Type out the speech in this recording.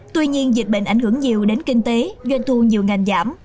tuy nhiên dịch bệnh ảnh hưởng nhiều đến kinh tế doanh thu nhiều ngành giảm